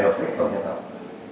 khó thành công mọi người